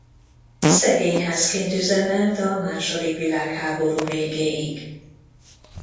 Szegényházként üzemelt a második világháború végéig.